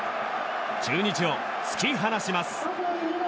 中日を突き放します。